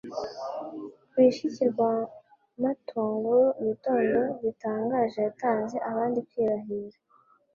Rwishiki rwa Matunguru igitondo gitangaje yatanze abandi kwirahira